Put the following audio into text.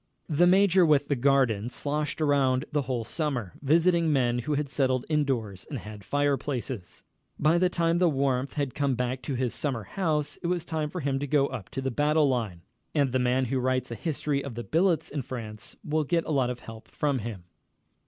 The major with the garden sloshed around the whole summer, visiting men who had settled indoors and had fireplaces. By the time the warmth had come back to his summer house it was time for him to go up to the battle line, and the man who writes a history of the billets in France will get a lot of help from him.